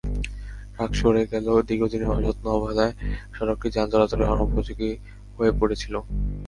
Truck সরে গেলেও দীর্ঘদিনের অযত্ন-অবহেলায় সড়কটি যান চলাচলের অনুপযোগী হয়ে পড়েছিল।